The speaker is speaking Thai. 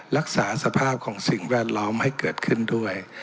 รักษาสภาพของสิ่งแวดล้อมให้เกิดขึ้นด้วย